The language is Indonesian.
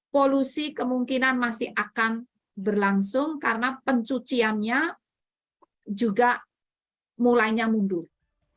polusi kemungkinan masih akan berlangsung karena pencuciannya juga mulainya mundur